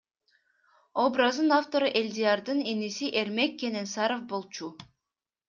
Образдын автору Элдиярдын иниси Эрмек Кененсаров болчу.